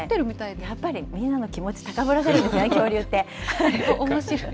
やっぱりみんなの気持ち、高ぶらせるんですね、恐竜ってね。